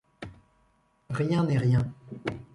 Rien n’est rien.